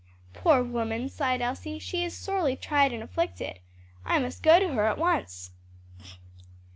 "Poor woman!" sighed Elsie, "she is sorely tried and afflicted. I must go to her at once."